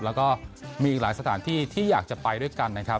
แล้วก็มีอีกหลายสถานที่ที่อยากจะไปด้วยกันนะครับ